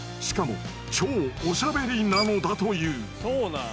しかも超おしゃべりなのだという。